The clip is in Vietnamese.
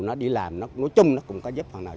nói chung nó cũng có giúp hoặc nào